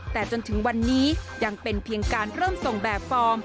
แต่จนถึงวันนี้ยังเป็นเพียงการเริ่มส่งแบบฟอร์ม